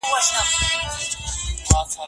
بس په نغري کي د بوډا مخ ته لمبه لګیږي